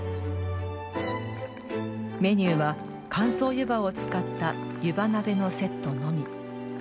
メニューは、乾燥湯葉を使った湯葉鍋のセットのみ。